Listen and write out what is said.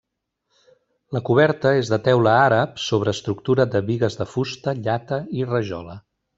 La coberta és de teula àrab sobre estructura de bigues de fusta, llata i rajola.